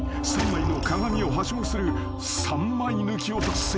３枚の鏡をはしごする３枚抜きを達成］